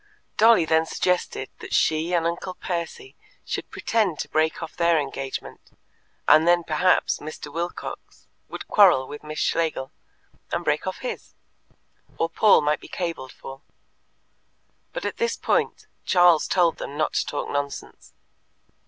Dolly then suggested that she and Uncle Percy should pretend to break off their engagement, and then perhaps Mr. Wilcox would quarrel with Miss Schlegel, and break off his; or Paul might be cabled for. But at this point Charles told them not to talk nonsense.